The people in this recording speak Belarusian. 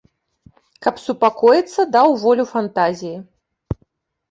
Каб супакоіцца, даў волю фантазіі.